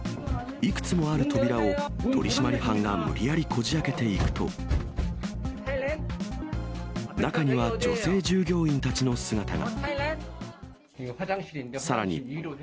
いくつもある扉を、取締班が無理やりこじあけていくと、中には女性従業員たちの姿が。